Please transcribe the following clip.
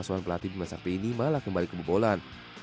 dan asuhan pelatih bimas sarpini malah kembali ke bubolan